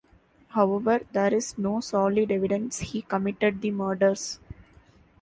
However, there is no solid evidence he committed the murders.